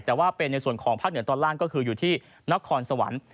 แต่ว่าเป็นในส่วนของภาคเหนือตอนล่างก็คืออยู่ที่นครสวรรค์